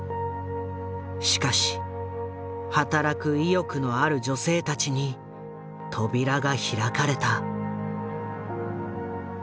しかし働く意欲のある女性たちに扉が開かれた。